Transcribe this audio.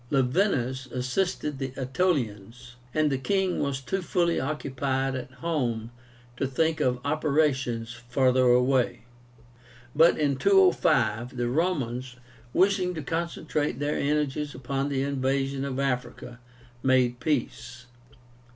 Laevinus assisted the Aetolians, and the king was too fully occupied at home to think of operations farther away. But in 205, the Romans, wishing to concentrate their energies upon the invasion of Africa, made peace.